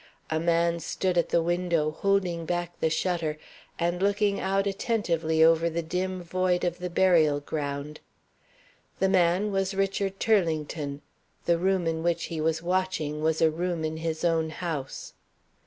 A man stood at the window, holding back the shutter, and looking out attentively over the dim void of the burial ground. The man was Richard Turlington. The room in which he was watching was a room in his own house.